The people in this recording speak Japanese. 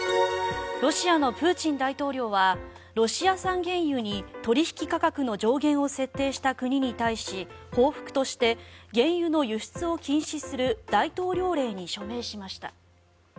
ロシアのプーチン大統領はロシア産原油に取引価格の上限を設定した国に対し報復として原油の輸出を禁止する大統領令に署名しました。